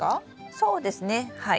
そうですねはい。